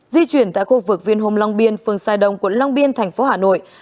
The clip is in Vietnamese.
di chuyển tại khu vực viên hôm long biên phương sai đông quận long biên tp hà nội